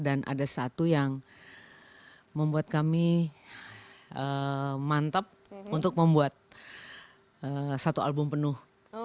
dan ada satu yang membuat kami mantap untuk membuat satu album penuh